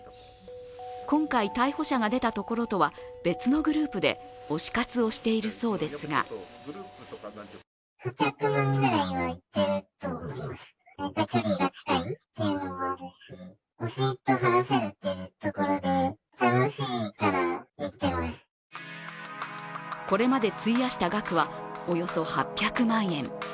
今回逮捕者が出たところとは別のグループで推し活をしているそうですがこれまで費やした額はおよそ８００万円。